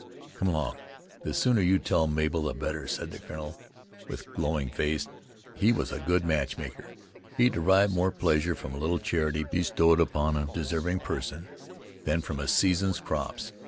"Come along, the sooner you tell Mabel the better," said the colonel with glowing face. He was a good matchmaker. He derived more pleasure from a little charity bestowed upon a deserving person, than from a season's crops.